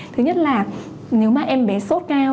thứ nhất là nếu mà em bé sốt cao